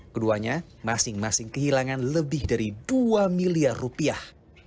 keduanya masing masing kehilangan lebih dari dua miliar rupiah